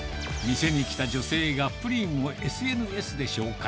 店に来た女性がプリンをＳＮＳで紹介。